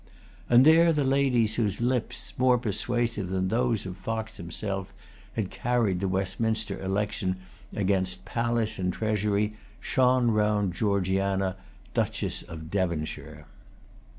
And there the ladies whose lips, more persuasive than those of Fox himself, had carried the Westminster election against palace and treasury shone round Georgiana, Duchess of Devonshire.